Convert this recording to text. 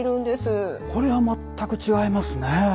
これは全く違いますね。